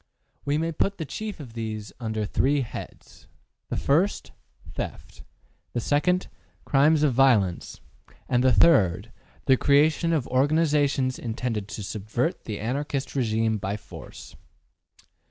We may put the chief of these under three heads: 1. Theft. 2. Crimes of violence. 3. The creation of organizations intended to subvert the Anarchist regime by force.